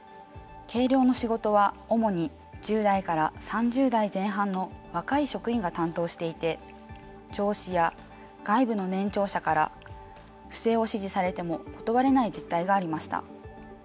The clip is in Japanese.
計量の仕事は主に１０代から３０代前半の若い職員が担当していて上司や外部の年長者から不正を指示されても断れない実態がありました。